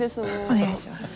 お願いします。